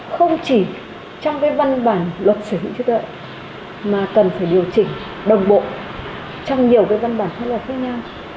không chỉ trong cái văn bản luật sở hữu trí tuệ mà cần phải điều chỉnh đồng bộ trong nhiều văn bản pháp luật khác nhau